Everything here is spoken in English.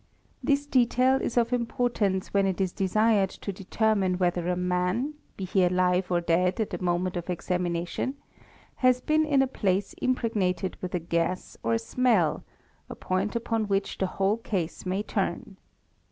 This | detail is of importance when it is desired to determine whether a man, — be he alive or dead at the moment of examination, has been in a place — impregnated with a gas or smell, a point upon which the whole case may turn.